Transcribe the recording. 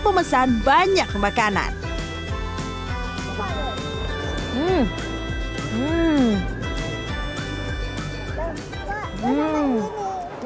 pemesan banyak makanan hmm hmm